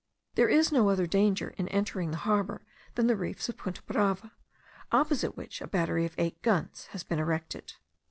There is no other danger in entering the harbour than the reefs of Punta Brava, opposite which a battery of eight guns has been erected.